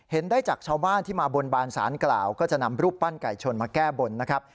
ได้จากชาวบ้านที่มาบนบานสารกล่าวก็จะนำรูปปั้นไก่ชนมาแก้บนนะครับ